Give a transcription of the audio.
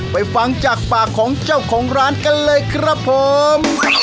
ไปฟังจากปากของเจ้าของร้านกันเลยครับผม